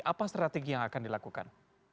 apa strategi yang akan dilakukan